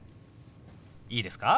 いいですか？